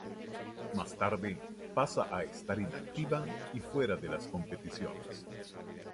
Más tarde, pasa a estar inactiva y fuera de las competiciones.